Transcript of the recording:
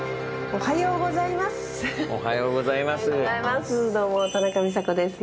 おはようございます。